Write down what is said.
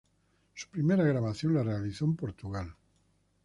Su primera grabación la realizó en Portugal.